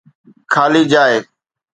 خالي جاءِ